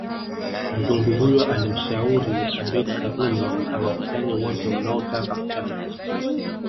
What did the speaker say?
Mzungu huyo alimshauri Abeid Karume awakusanye wote wanaotaka chama